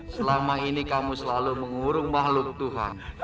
selama ini kamu selalu mengurung makhluk tuhan